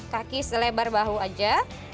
kaki selebar bahu aja